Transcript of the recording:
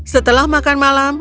setelah makan malam